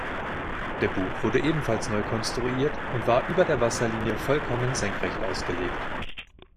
Der Bug wurde ebenfalls neu konstruiert und war über der Wasserlinie vollkommen senkrecht ausgelegt.